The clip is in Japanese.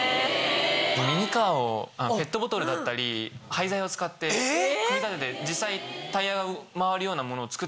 ミニカーをペットボトルだったり廃材を使って組み立てて実際タイヤが回るようなものを作ってくれて。